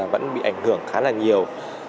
vẫn bị ảnh hưởng khá là nhiều